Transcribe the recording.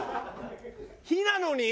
「火」なのに？